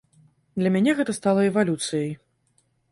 Для мяне гэта стала эвалюцыяй.